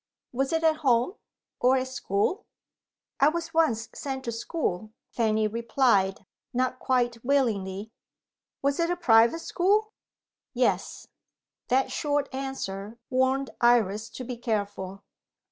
Was it at home? or at school? "I was once sent to school," Fanny replied, not quite willingly. "Was it a private school?" "Yes." That short answer warned Iris to be careful.